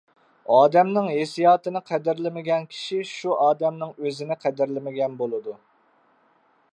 ئادەمنىڭ ھېسسىياتىنى قەدىرلىمىگەن كىشى شۇ ئادەمنىڭ ئۆزىنى قەدىرلىمىگەن بولىدۇ.